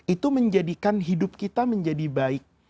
itu menjadikan hidup kita menjadi baik